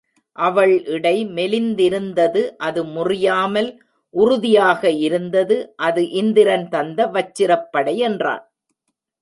அவள் இடை மெலிந்திருந்தது அது முறியாமல் உறுதியாக இருந்தது அது இந்திரன் தந்த வச்சிரப்படை என்றான்.